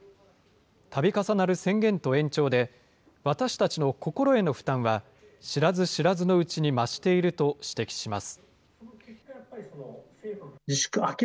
たび重なる宣言と延長で、私たちの心への負担は、知らず知らずのうちに増していると指摘します。